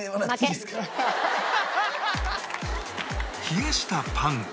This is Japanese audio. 冷やしたパンを